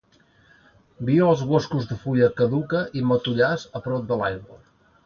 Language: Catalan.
Viu als boscos de fulla caduca i matollars a prop de l'aigua.